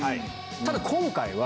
ただ今回は。